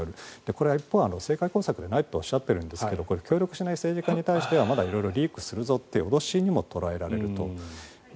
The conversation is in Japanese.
これは一方、政界工作ではないとおっしゃっているんですが協力しない議員に対しては色々リークするぞという脅しにも取られると。